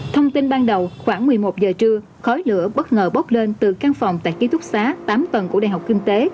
thông tin ban đầu khoảng một mươi một giờ trưa khói lửa bất ngờ bốc lên từ căn phòng tại ký túc xá tám tầng của đại học kinh tế